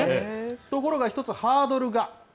ところが１つ、ハードルが。